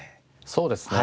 そうですね。